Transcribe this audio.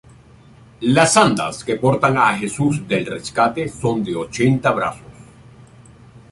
Las andas que portan a Jesús del Rescate son de ochenta brazos.